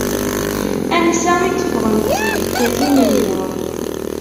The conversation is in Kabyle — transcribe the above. Ansa i d-ffɣent tbekkatin-nni?